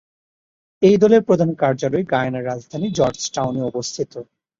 এই দলের প্রধান কার্যালয় গায়ানার রাজধানী জর্জটাউনে অবস্থিত।